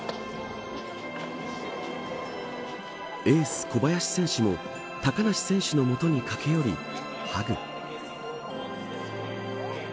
エース小林選手も高梨選手の元に駆け寄り、ハグ。